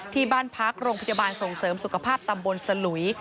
ที่บ้านพักโรงพยาบาลส่งเสริมสุขภาพตำบลสลุย